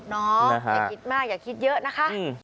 อย่าคิดมากอย่าคิดเยอะนะคะ